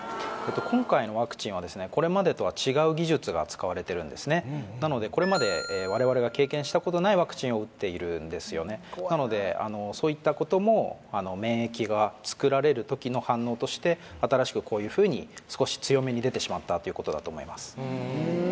今回のワクチンはこれまでとは違う技術が使われてるんですねなのでこれまで我々が経験したことないワクチンを打っているんですなのでそういったことも免疫がつくられる時の反応として新しくこういうふうに少し強めに出てしまったということだと思います